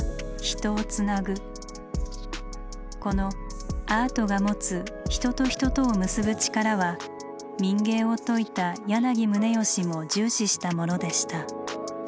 このアートが持つ人と人とを結ぶ力は民藝を説いた柳宗悦も重視したものでした。